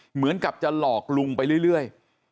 เหมือนกับจะหลอกลุงไปเรื่อย